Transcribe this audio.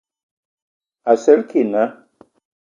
Asǝlǝg kig naa.